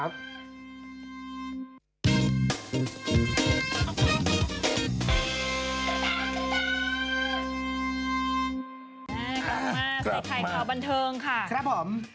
สวัสดีครับสวัสดีครับใส่ไข่ข่าวบันเทิงค่ะครับผม